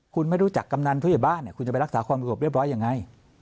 คุณไม่รู้จักกำนานทุยบ้านคุณจะไปรักษาความรู้จักเรียบร้อยอย่างไร